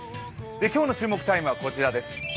今日の注目タイムはこちらです。